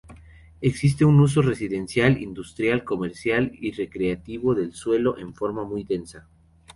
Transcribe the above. Existe un uso residencial, industrial, comercial y recreativo del suelo en forma muy densa.